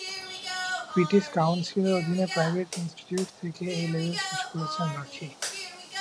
British কাউন্সিলের অধীনে private institute থেকে এ-লেভেল শেষ করেছেন রাখি।